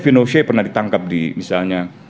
vinoshe pernah ditangkap di misalnya